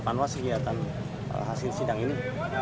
panwas segi kaitan hasil sidang ini